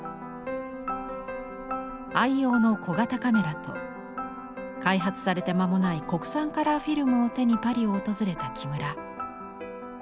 愛用の小型カメラと開発されて間もない国産カラーフィルムを手にパリを訪れた木村。